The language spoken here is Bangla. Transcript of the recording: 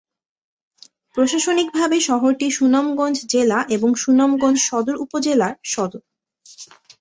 প্রশাসনিকভাবে শহরটি সুনামগঞ্জ জেলা এবং সুনামগঞ্জ সদর উপজেলার সদর।